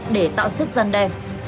để tạo sức dân đe